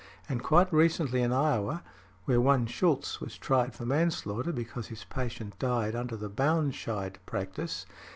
And quite recently in Iowa, where one Shulz was tried for manslaughter because his patient died under the Baunscheidt practice, _i.